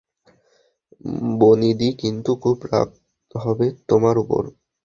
বনিদি কিন্তু খুব রাগ হবে তোমার ওপর।